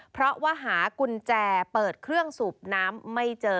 เพราะว่าหากุญแจเปิดเครื่องสูบน้ำไม่เจอ